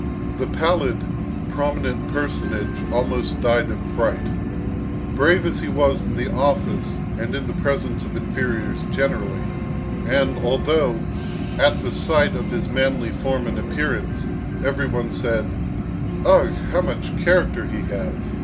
The pallid prominent personage almost died of fright. Brave as he was in the office and in the presence of inferiors generally, and although, at the sight of his manly form and appearance, every one said, "Ugh! how much character he has!"